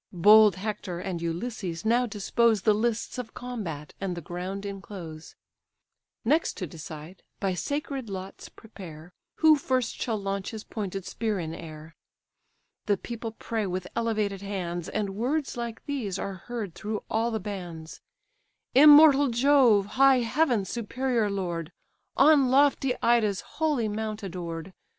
Bold Hector and Ulysses now dispose The lists of combat, and the ground inclose: Next to decide, by sacred lots prepare, Who first shall launch his pointed spear in air. The people pray with elevated hands, And words like these are heard through all the bands: "Immortal Jove, high Heaven's superior lord, On lofty Ida's holy mount adored!